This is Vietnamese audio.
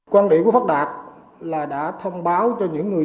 quan điểm của pháp đạt là đã thông báo cho những người